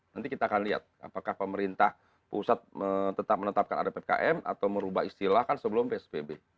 nanti kita akan lihat apakah pemerintah pusat tetap menetapkan ada ppkm atau merubah istilah kan sebelum psbb